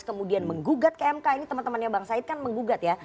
kemudian menggugat ke mk ini teman temannya bang said kan menggugat ya